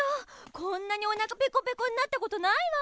こんなにおなかペコペコになったことないわ。